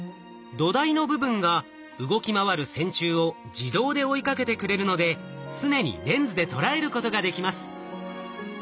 土台の部分が動き回る線虫を自動で追いかけてくれるので常にレンズで捉えることができます。